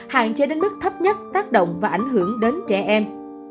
hạn chế đến mức thấp nhất tác động và ảnh hưởng đến trẻ em